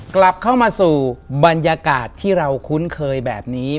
กลับเข้ามาสู่บรรยากาศที่เราคุ้นเคยแบบนี้